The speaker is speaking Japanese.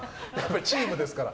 チームですから。